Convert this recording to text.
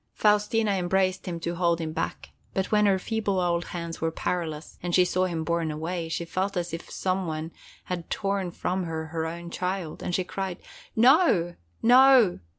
Faustina embraced him to hold him back, and when her feeble old hands were powerless and she saw him borne away, she felt as if some one had torn from her her own child, and she cried: "No, no!